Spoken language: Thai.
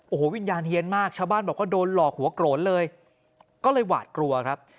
โอ้โหวิญญาณเฮียนมากชาวบ้านบอกว่าโดนหลอกหัวโกรธเลยก็เลยหวาดกลัวครับ